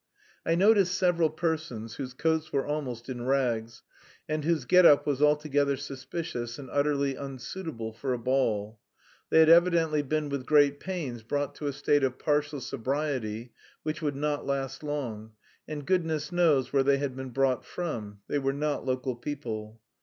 I noticed several persons whose coats were almost in rags and whose get up was altogether suspicious and utterly unsuitable for a ball. They had evidently been with great pains brought to a state of partial sobriety which would not last long; and goodness knows where they had been brought from, they were not local people.